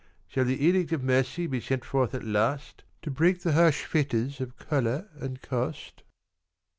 Shall the Edict of Mercy be sent forth at last, To break the harsh fetters of Colour and Caste?"